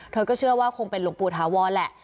เธอก็เชื่อว่าคงเป็นหลวงปู่ถาวรแหละ